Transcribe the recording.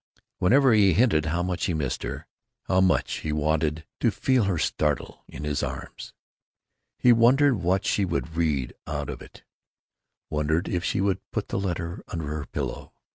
Whenever he hinted how much he missed her, how much he wanted to feel her startle in his arms, he wondered what she would read out of it; wondered if she would put the letter under her pillow.